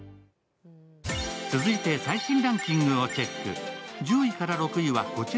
続いて最新ランキングをチェック。